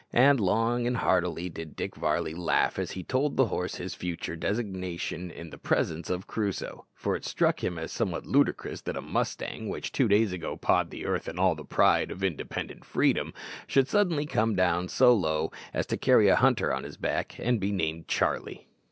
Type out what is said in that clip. And long and heartily did Dick Varley laugh as he told the horse his future designation in the presence of Crusoe, for it struck him as somewhat ludicrous that a mustang which, two days ago, pawed the earth in all the pride of independent freedom, should suddenly come down so low as to carry a hunter on his back and be named Charlie.